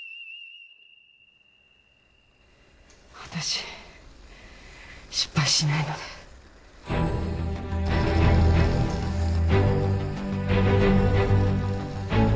私失敗しないので。